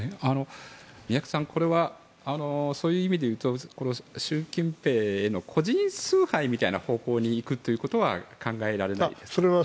宮家さんそういう意味でいうと習近平への個人崇拝みたいな方向にいくということは考えられないんですか？